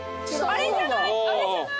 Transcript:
あれじゃない？